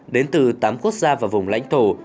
đến từ tám quốc gia và vùng lãnh thổ